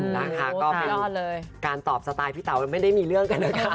แล้วค่ะก็การตอบสไตล์พี่เต๋าไม่ได้มีเรื่องกันนะครับ